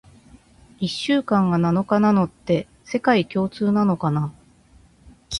一週間が七日なのって、世界共通なのかな？